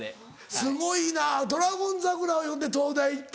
すごいな『ドラゴン桜』を読んで東大行った。